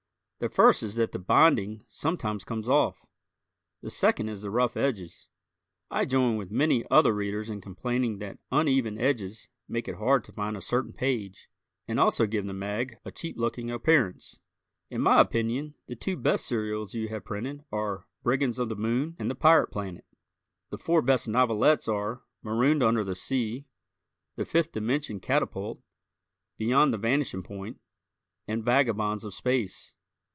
The first is that the binding sometimes comes off; the second is the rough edges. I join with many other Readers in complaining that uneven edges make it hard to find a certain page and also give the mag a cheap looking appearance. In my opinion the two best serials you have printed are "Brigands of the Moon" and "The Pirate Planet." The four best novelettes are: "Marooned Under the Sea," "The Fifth Dimension Catapult," "Beyond the Vanishing Point" and "Vagabonds of Space."